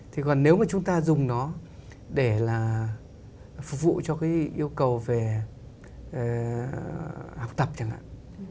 thì còn nếu mà chúng ta dùng nó để là phục vụ cho cái yêu cầu về học tập chẳng hạn